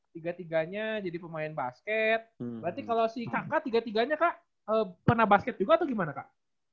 tiga tiganya jadi pemain basket berarti kalau si kakak tiga tiganya kak pernah basket juga atau gimana kak